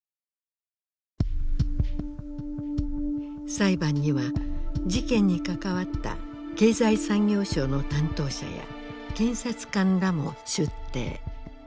裁判には事件に関わった経済産業省の担当者や検察官らも出廷。